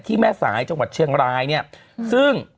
แม่สายจังหวัดเชียงรายเนี่ยซึ่ง